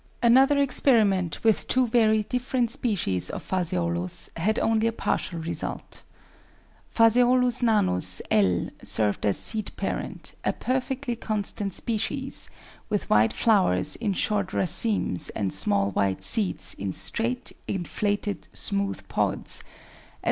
Another experiment with two very different species of Phaseolus had only a partial result. Phaseolus nanus, L., served as seed parent, a perfectly constant species, with white flowers in short racemes and small white seeds in straight, inflated, smooth pods; as.